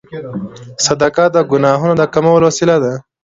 صدقه د ګناهونو د کمولو وسیله ده.